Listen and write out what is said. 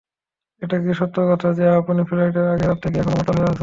এটা কি সত্য কথা যে আপনি ফ্লাইটের আগের রাত থেকে এখনো মাতাল হয়ে আছেন?